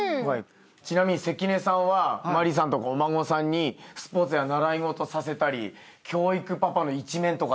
ちなみに関根さんは麻里さんとかお孫さんにスポーツや習い事させたり教育パパの一面とかあります？